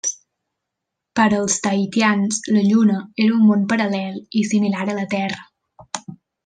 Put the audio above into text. Per als tahitians la Lluna era un món paral·lel i similar a la Terra.